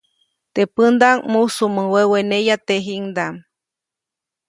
Teʼ pändaʼm mujsumuŋ weweneya tejiʼŋdaʼm.